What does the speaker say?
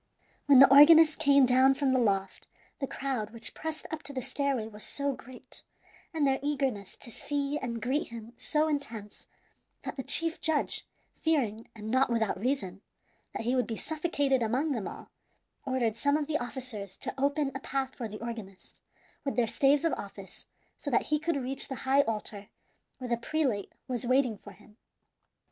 When the organist came down from the loft the crowd which pressed up to the stairway was so great, and their eagerness to see and greet him so intense, that the chief judge, fearing, and not without reason, that he would be suffocated among them all, ordered some of the officers to open a path for the organist, with their staves of office, so that he could reach the high altar, where the prelate was waiting for him.